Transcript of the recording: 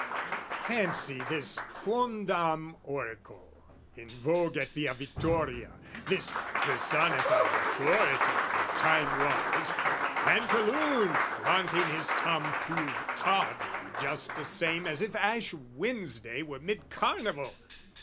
Fancy this quondam oracle in vogue At Via Vittoria, this personified Authority when time was, Pantaloon Flaunting his tom fool tawdry just the same As if Ash Wednesday were mid Carnival!